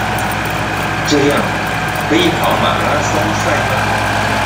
這樣可以跑馬拉松賽嗎？